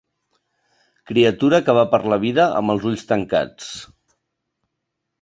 Criatura que va per la vida amb els ulls tancats.